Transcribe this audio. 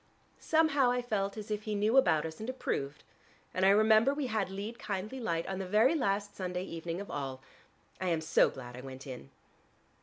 Somehow I felt as if he knew about us and approved, and I remember we had 'Lead, kindly Light' on the very last Sunday evening of all. I am so glad I went in."